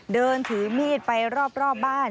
เดินถือมีดไปรอบบ้าน